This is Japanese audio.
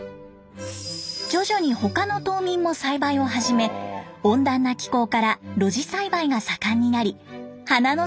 徐々に他の島民も栽培を始め温暖な気候から路地栽培が盛んになり花の島と呼ばれるように。